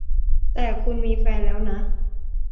แต่คุณมีแฟนแล้วนะ